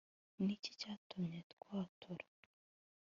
Ni iki cyaguteye kwatura